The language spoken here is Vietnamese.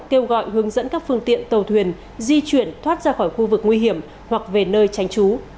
kêu gọi hướng dẫn các phương tiện tàu thuyền di chuyển thoát ra khỏi khu vực nguy hiểm hoặc về nơi tránh trú